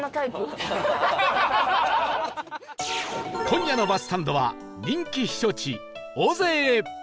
今夜のバスサンドは人気避暑地尾瀬へ